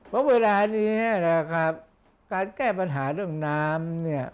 เพราะเวลานี้นะครับการแก้ปัญหาเรื่องน้ำเนี่ย